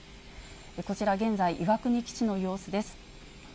こちら現在、岩国基地の様子です。